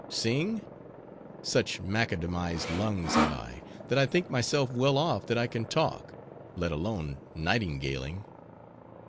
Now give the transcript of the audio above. Sing? Such Macadamized lungs have I, that I think myself well off, that I can talk; let alone nightingaling."